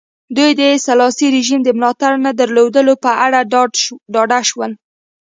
دوی د سلاسي رژیم د ملاتړ نه درلودلو په اړه ډاډه شول.